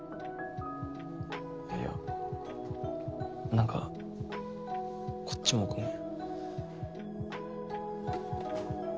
いや何かこっちもごめん。